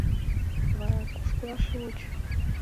— Вара, кушкыла шуыч?